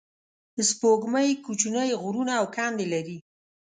سپوږمۍ کوچنۍ غرونه او کندې لري